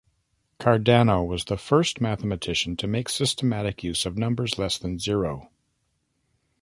Cardano was the first mathematician to make systematic use of numbers less than zero.